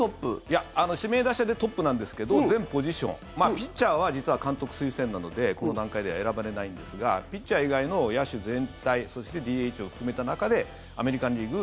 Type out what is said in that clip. いや、指名打者でトップなんですけど全ポジションピッチャーは実は監督推薦なのでこの段階では選ばれないんですがピッチャー以外の野手全体そしてＤＨを含めた中でアメリカン・リーグ